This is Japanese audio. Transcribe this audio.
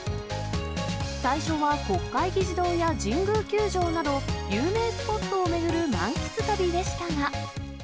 最初は国会議事堂や神宮球場など、有名スポットを巡る満喫旅でしたが。